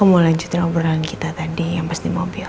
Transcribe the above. aku mau lanjutin obrolan kita tadi yang pas di mobil